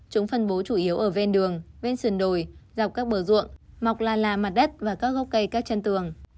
chúng phân bố chủ yếu ở ven đường ven sườn đồi dọc các bờ ruộng mọc là mặt đất và các gốc cây các chân tường